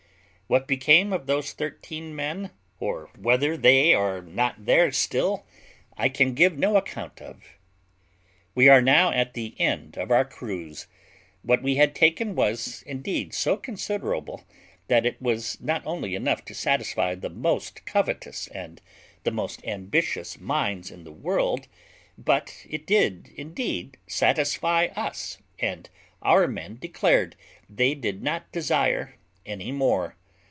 What became of those thirteen men, or whether they are not there still, I can give no account of. We are now at the end of our cruise; what we had taken was indeed so considerable, that it was not only enough to satisfy the most covetous and the most ambitious minds in the world, but it did indeed satisfy us, and our men declared they did not desire any more.